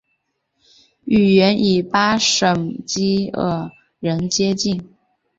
语言与巴什基尔人接近。